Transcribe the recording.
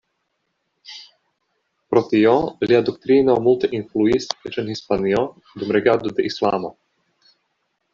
Pro tio, lia doktrino multe influis eĉ en Hispanio dum regado de Islamo.